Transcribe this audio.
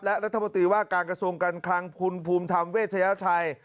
และรัฐมนตรีว่าการกระทรวงการคลังคุณภูมิธรรมเวชยชัย